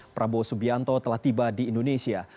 prabowo subianto telah tiba di indonesia